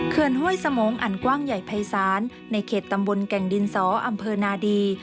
ห้วยสมงอันกว้างใหญ่ภัยศาลในเขตตำบลแก่งดินสออำเภอนาดี